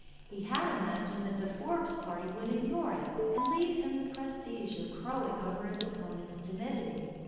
He had imagined that the Forbes party would ignore it and leave him the prestige of crowing over his opponent's timidity.